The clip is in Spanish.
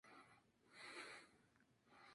El equipo permaneció en la ciudad de Puebla.